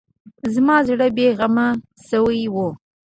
زما زړه بې غمه شوی و.